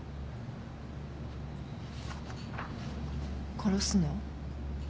殺すの？